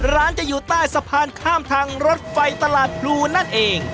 ร้านจะอยู่ใต้สะพานข้ามทางรถไฟตลาดพลูนั่นเอง